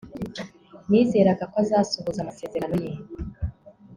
nizeraga ko azasohoza amasezerano ye